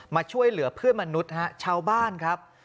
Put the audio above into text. มาช่วยเหลือเพื่อนมนุษย์ฮะชาวบ้านครับ